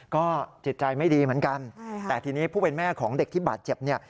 ก็จิตใจไม่ดีเหมือนกันแต่ทีนี้ผู้เป็นแม่ของเด็กที่บาดเจ็บเนี่ย